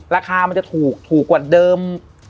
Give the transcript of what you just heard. ราคามันจะถูกถูกกว่าเดิม